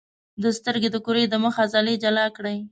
د سترګې د کرې د مخ عضلې جلا کړئ.